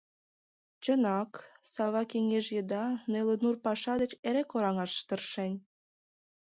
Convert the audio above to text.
Чынак, Сава кеҥеж еда неле нур паша деч эре кораҥаш тыршен.